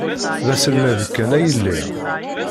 D aselmad kan ay lliɣ.